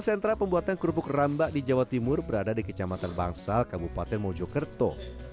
sentra pembuatan kerupuk rambak di jawa timur berada di kecamatan bangsal kabupaten mojokerto